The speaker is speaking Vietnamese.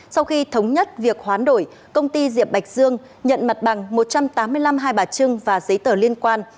sau khi thống nhất việc hoán đổi công ty diệp bạch dương nhận mặt bằng một trăm tám mươi năm hai bà trưng và giấy tờ liên quan